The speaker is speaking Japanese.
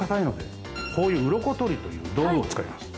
こういうウロコ取りという道具を使います。